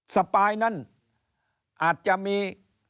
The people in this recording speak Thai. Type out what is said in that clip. สปายนั้นอาจจะมี